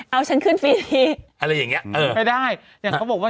เอาฉันขึ้นฟรีดีไม่ได้อย่างเขาบอกว่า